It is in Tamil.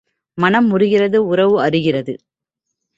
மனம் முறிகிறது உறவு அறுகிறது.